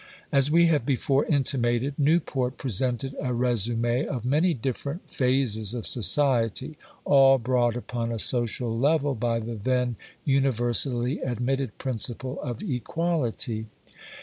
As we have before intimated, Newport presented a résumé of many different phases of society, all brought upon a social level by the then universally admitted principle of equality.